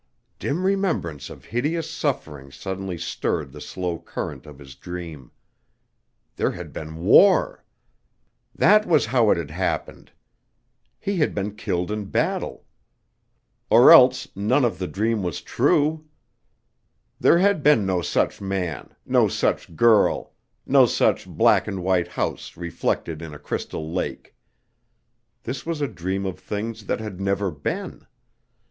Dim remembrance of hideous suffering suddenly stirred the slow current of his dream. There had been war. That was how it had happened! He had been killed in battle. Or else, none of the dream was true! There had been no such man, no such girl, no such black and white house reflected in a crystal lake. This was a dream of things that had never been.